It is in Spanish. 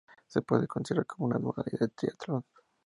Se puede considerar como una modalidad del triatlón.